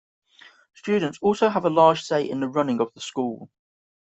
Students also have a large say in the running of the school.